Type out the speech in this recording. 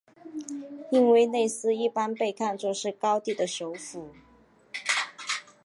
印威内斯一般被看作是高地的首府。